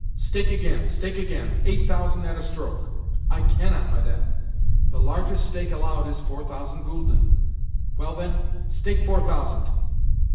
"Stake again, stake again—eight thousand at a stroke!" "I cannot, Madame. The largest stake allowed is four thousand gülden." "Well, then; stake four thousand."